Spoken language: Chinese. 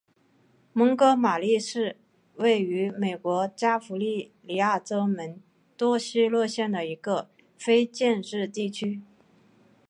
蒙哥马利是位于美国加利福尼亚州门多西诺县的一个非建制地区。